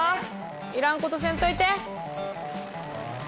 いらんことせんといて。